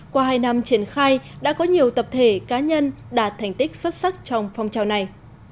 qua hai năm triển khai đã có nhiều tập thể cá nhân đạt thành tích xuất sắc trong phong trào này